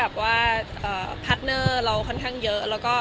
พาร์ทเนอร์เราค่อนข้างเยอะ